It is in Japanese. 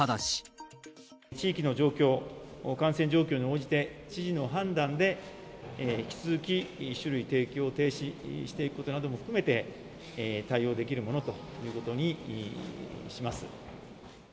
地域の状況、感染状況に応じて、知事の判断で引き続き、酒類提供停止していくことなども含めて、対応できるものということにします。